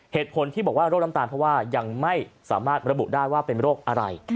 เหตุผลที่บอกว่าโรคน้ำตาลเพราะว่ายังไม่สามารถระบุได้ว่าเป็นโรคอะไร